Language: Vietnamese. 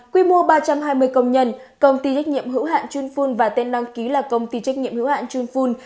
quy mô ba trăm hai mươi công nhân công ty trách nhiệm hữu hạn chunfun và tên đăng ký là công ty trách nhiệm hữu hạn chunfun